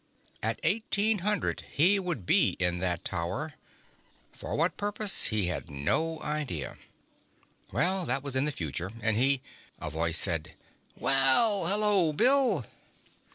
At eighteen hundred he would be in that tower for what purpose, he had no idea. Well, that was in the future, and he ... A voice said: "Well! Hello, Bill!"